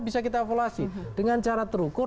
bisa kita evaluasi dengan cara terukur